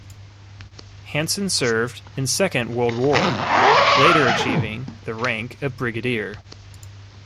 Hansen served in Second World War, later achieving the rank of Brigadier.